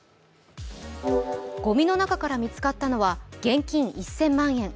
ごみの中から見つかったのは現金１０００万円。